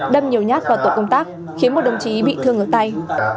đâm nhiều nhát vào tổ công tác khiến một đồng chí bị thương ở tay